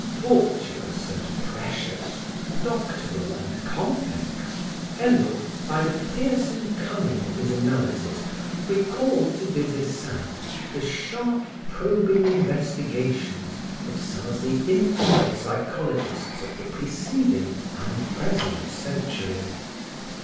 Tortuous and precious, doctoral and complex, Hello, by the piercing cunning of his analysis, recalled to Des Esseintes the sharp, probing investigations of some of the infidel psychologists of the preceding and present century.